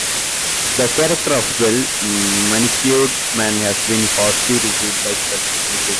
The character of the Well-Manicured Man has been positively received by critics.